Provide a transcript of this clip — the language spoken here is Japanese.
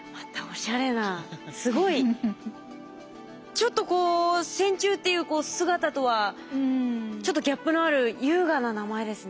ちょっとこう線虫っていう姿とはちょっとギャップのある優雅な名前ですね。